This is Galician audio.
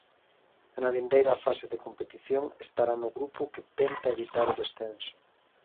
E na vindeira fase da competición estará no grupo que tenta evitar o descenso.